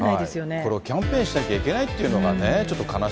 これをキャンペーンしなきゃいけないっていうのがちょっと悲